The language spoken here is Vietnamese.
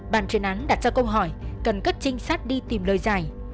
bàn truyền án đặt ra câu hỏi cần cất trinh sát đi tìm lời giải